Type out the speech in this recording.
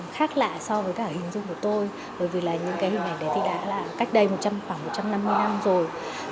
khác lạ so với cả hình dung của tôi bởi vì là những cái hình ảnh đấy thì đã là cách đây một trăm linh khoảng một trăm năm mươi năm rồi